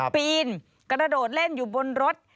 ปีนกระโดดเล่นอยู่บนรถ